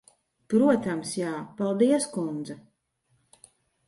Protams, jā. Paldies, kundze.